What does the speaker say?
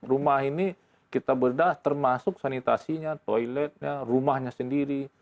rumah ini kita bedah termasuk sanitasinya toiletnya rumahnya sendiri